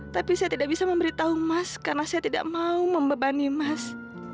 tapi saya tidak bisa memberitahu mas karena saya tidak mau membebani mas